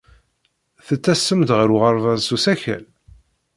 Tettasem-d ɣer uɣerbaz s usakal?